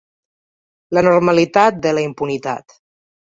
La normalitat de la impunitat.